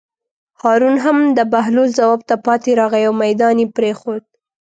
هارون هم د بهلول ځواب ته پاتې راغی او مېدان یې پرېښود.